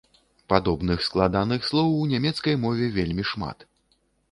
Падобных складаных слоў у нямецкай мове вельмі шмат.